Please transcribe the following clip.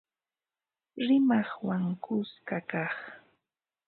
Rimaqwan kuska kaq